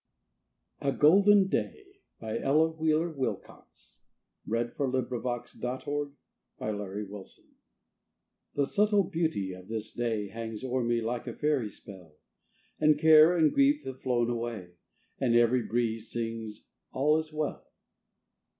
A Golden Day An Ella Wheeler Wilcox Poem A GOLDEN DAY The subtle beauty of this day Hangs o'er me like a fairy spell, And care and grief have flown away, And every breeze sings, "All is well."